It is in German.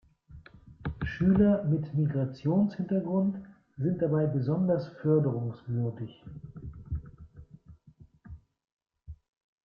Schüler mit Migrationshintergrund sind dabei besonders förderungswürdig.